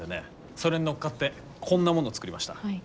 それに乗っかってこんなものを作りました。